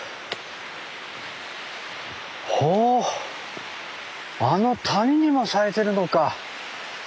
ほおあの谷にも咲いてるのか。